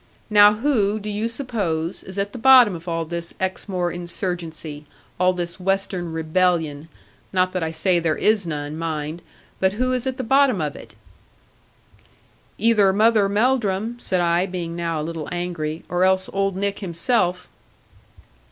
Now who, do you suppose, is at the bottom of all this Exmoor insurgency, all this western rebellion not that I say there is none, mind but who is at the bottom of it?' 'Either Mother Melldrum,' said I, being now a little angry, 'or else old Nick himself.'